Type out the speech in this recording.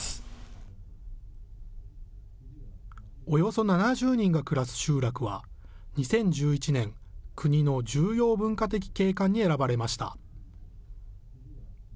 およそ７０人が暮らす集落は、２０１１年、国の重要文化的景観に選ばれました。